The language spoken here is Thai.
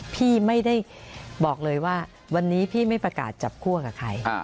พี่ไม่ได้บอกเลยว่าวันนี้พี่ไม่ประกาศจับคั่วกับใคร